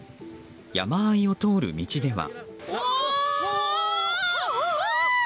山あいを通る道では。